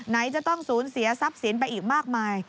ไหนจะต้องสูญเสียทรัพย์สินไปอีกมากมาย